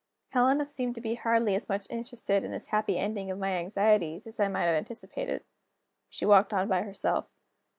Helena seemed to be hardly as much interested in this happy ending of my anxieties as I might have anticipated. She walked on by herself.